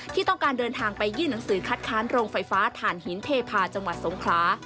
ที่ต้องการเดินทางไปยื่นหนังสือคัดค้านโรงไฟฟ้าฐานหินเทพาะจังหวัดสงขลา